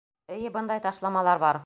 Эйе, бындай ташламалар бар.